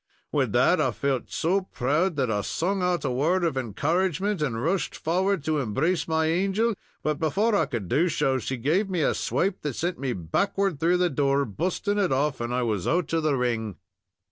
Wid that I felt so proud that I sung out a word of encouragement, and rushed forward to embrace my angel, but, before I could do so, she give me a swipe that sent me backward through the door, busting it off, and I was out of the ring.